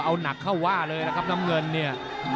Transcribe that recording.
เอาหนักเข้าว่าเลยนะครับน้ำเงินเนี่ย